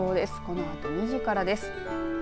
このあと２時からです。